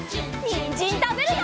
にんじんたべるよ！